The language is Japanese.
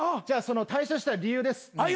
じゃあその退所した理由です。